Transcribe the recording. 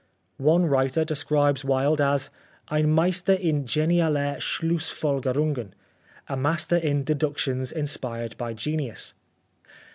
One writer describes Wilde as, " ein Meister in genialer Schlussfolgerungen " (a master in deductions inspired by genius).